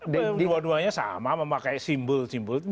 dua duanya sama memakai simbol simbol